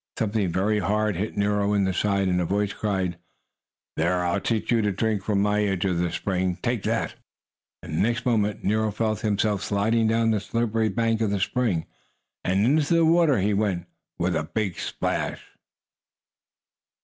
Something very hard hit Nero in the side, and a voice cried: "There! I'll teach you to drink from my edge of the spring! Take that!" And the next moment Nero felt himself sliding down the slippery bank of the spring, and into the water he went with a big splash!